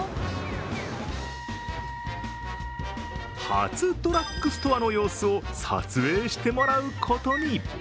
初ドラッグストアの様子を撮影してもらうことに。